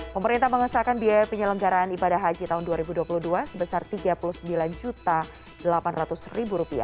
pemerintah mengesahkan biaya penyelenggaraan ibadah haji tahun dua ribu dua puluh dua sebesar rp tiga puluh sembilan delapan ratus